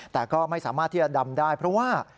แต่ก็ไม่สามารถที่จะดำได้เพราะว่า